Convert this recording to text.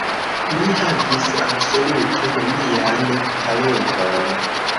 Mi havis absolute nenian talenton.